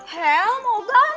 helm mau ganteng